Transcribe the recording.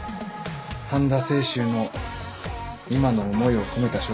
半田清舟の今の思いを込めた書だ。